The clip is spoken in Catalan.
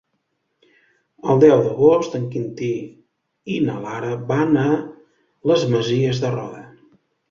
El deu d'agost en Quintí i na Lara van a les Masies de Roda.